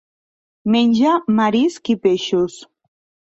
Menja marisc i peixos.